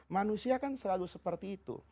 manusia kan selalu seperti itu